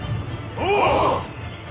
お！